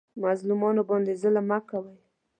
مظلومانو باندې ظلم مه کوئ